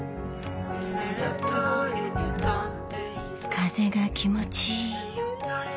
風が気持ちいい。